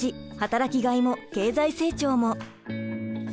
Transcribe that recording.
「働きがいも経済成長も」。